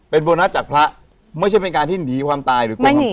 เป็นโบนัสจากพระไม่ใช่เป็นการที่หนีความตายหรือโกงความตาย